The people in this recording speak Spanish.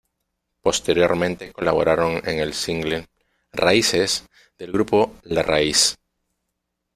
Posteriormente colaboraron en el single "Raíces" del grupo "La Raíz".